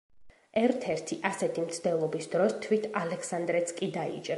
ერთ-ერთი ასეთი მცდელობის დროს თვით ალექსანდრეც კი დაიჭრა.